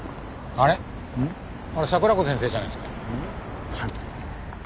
あれ桜子先生じゃないですか？